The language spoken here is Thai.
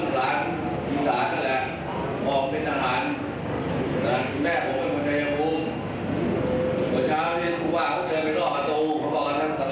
ผมว่าไม่ไหวแล้วเพราะไม่เคยมีเรื่องไปแล้วถ้าเป็นเด็กเผยแล้วมีเรื่องแน่